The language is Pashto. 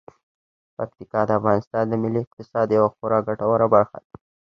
پکتیکا د افغانستان د ملي اقتصاد یوه خورا ګټوره برخه ده.